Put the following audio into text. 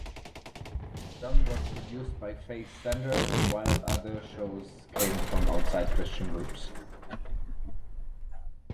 Some was produced by Faith Center while other shows came from outside Christian groups.